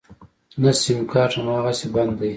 نه سيمکارټ امغسې بند دی.